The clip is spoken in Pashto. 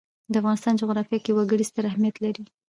د افغانستان جغرافیه کې وګړي ستر اهمیت لري.